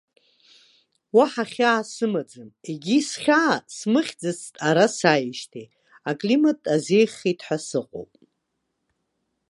Уаҳа хьаа сымаӡам, егьи схьаасмыхьӡацт ара сааижьҭеи, аклимат азеиӷьхеит ҳәа сыҟоуп!